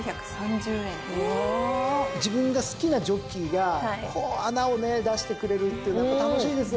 自分が好きなジョッキーが穴をね出してくれるっていうのはやっぱ楽しいですよ。